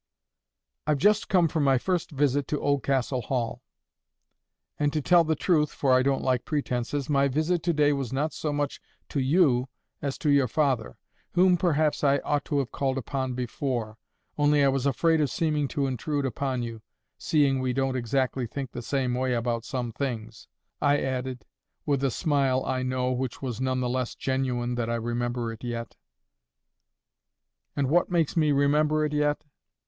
"I've just come from my first visit to Oldcastle Hall. And, to tell the truth, for I don't like pretences, my visit to day was not so much to you as to your father, whom, perhaps, I ought to have called upon before, only I was afraid of seeming to intrude upon you, seeing we don't exactly think the same way about some things," I added—with a smile, I know, which was none the less genuine that I remember it yet. And what makes me remember it yet?